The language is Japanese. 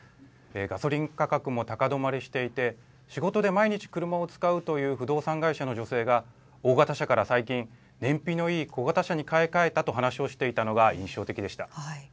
ガソリン価格も高止まりしていて仕事で毎日、車を使うという不動産会社の女性が大型車から最近燃費のいい小型車に買い替えたと話をしていたのが印象的でした。